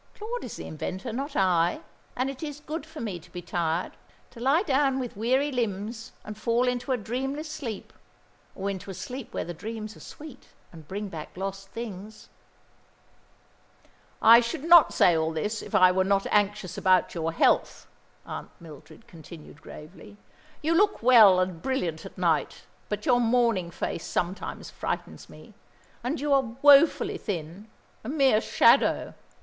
"Claude is the inventor, not I. And it is good for me to be tired; to lie down with weary limbs and fall into a dreamless sleep or into a sleep where the dreams are sweet, and bring back lost things." "I should not say all this, if I were not anxious about your health," Aunt Mildred continued gravely. "You look well and brilliant at night, but your morning face sometimes frightens me; and you are woefully thin, a mere shadow.